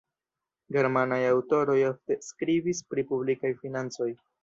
Germanaj aŭtoroj ofte skribis pri publikaj financoj.